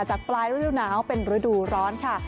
ปลายฤดูหนาวเป็นฤดูร้อนค่ะ